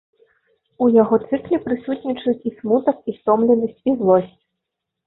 У яго цыкле прысутнічаюць і смутак, і стомленасць, і злосць.